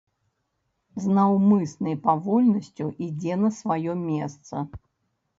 З наўмыснай павольнасцю ідзе на сваё месца.